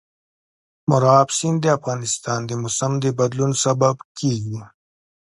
مورغاب سیند د افغانستان د موسم د بدلون سبب کېږي.